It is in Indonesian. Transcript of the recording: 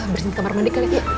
berhenti kamar mandi kali ya